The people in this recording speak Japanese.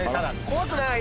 怖くない？